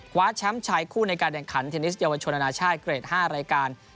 คว้าแชมป์ชายคู่ในการแข่งขันเทนนิสเยาวชนอนาชาติเกรด๕รายการ